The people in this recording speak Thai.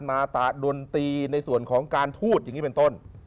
มาตะดนตรีในส่วนของการพูดอย่างนี้เป็นต้น